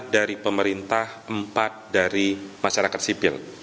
dari pemerintah empat dari masyarakat sipil